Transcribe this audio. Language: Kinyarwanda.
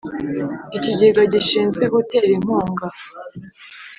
ikigega gishinzwe gutera inkunga